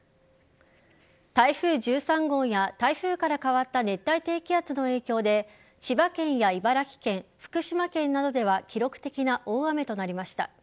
台風１３号や台風から変わった熱帯低気圧の影響で千葉県や茨城県、福島県などでは記録的な大雨となりました。